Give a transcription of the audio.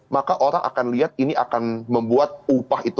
maka orang akan lihat ini akan membuat upah itu